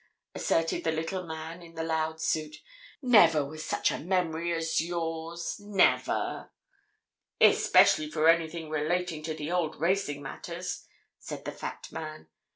asserted the little man in the loud suit. "Never was such a memory as yours, never!" "Especially for anything relating to the old racing matters," said the fat man. "Mr.